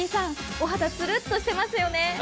お肌つるっとしてますよね。